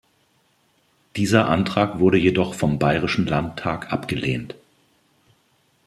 Dieser Antrag wurde jedoch vom Bayerischen Landtag abgelehnt.